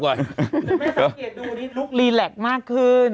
ไม่สังเกตดูนี่ลุกรีแล็กมากขึ้น